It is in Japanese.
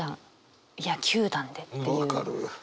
分かる。